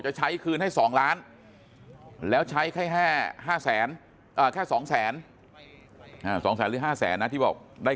จะใช้คืนให้๒ล้านแล้วใช้แค่๕แสนแค่๒แสนหรือ๕แสนนะที่บอกได้